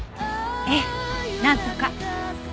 ええなんとか。